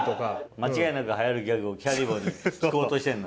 間違いなく流行るギャグをキャリボに聞こうとしてんの？